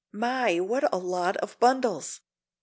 My! what a lot of bundles!